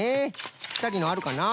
ぴったりのあるかな？